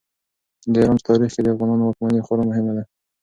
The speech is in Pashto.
د ایران په تاریخ کې د افغانانو واکمني خورا مهمه ده.